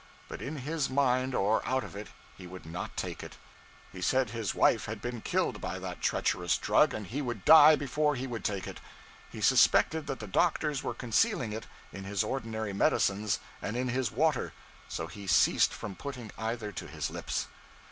But, in his mind or out of it, he would not take it. He said his wife had been killed by that treacherous drug, and he would die before he would take it. He suspected that the doctors were concealing it in his ordinary medicines and in his water so he ceased from putting either to his lips.